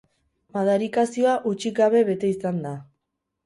Madarikazioa hutsik gabe bete izan da.